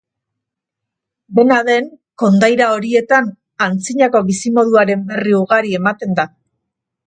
Dena den, kondaira horietan antzinako bizimoduaren berri ugari ematen da.